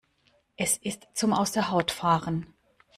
Es ist zum aus der Haut fahren!